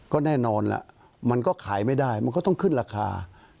ก็แน่นอนล่ะมันก็ขายไม่ได้มันก็ต้องขึ้นราคา